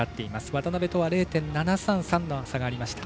渡部とは０．７３３の差がありました。